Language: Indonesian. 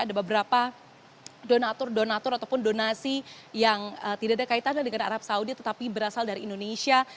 ada beberapa donatur donatur ataupun donasi yang tidak ada kaitannya dengan arab saudi tetapi berasal dari indonesia